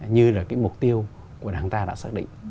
như là cái mục tiêu của đảng ta đã xác định